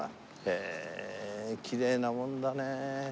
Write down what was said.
へえきれいなもんだねえ。